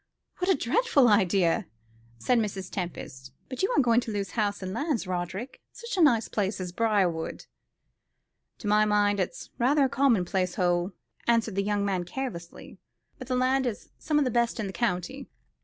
"What a dreadful idea," said Mrs. Tempest; "but you are not going to lose house and lands, Roderick such a nice place as Briarwood." "To my mind it's rather a commonplace hole," answered the young man carelessly, "but the land is some of the best in the county."